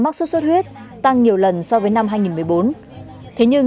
có thể tìm hiểu về bệnh này